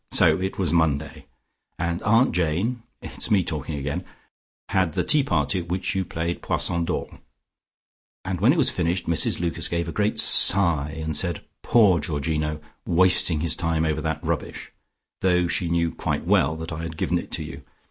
So it was Monday, and Aunt Jane it's me talking again had the tea party at which you played Poisson d'Or. And when it was finished, Mrs Lucas gave a great sigh, and said 'Poor Georgino! Wasting his time over that rubbish,' though she knew quite well that I had given it to you.